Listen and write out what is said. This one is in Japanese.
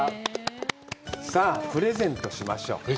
さあ、プレゼントしましょう。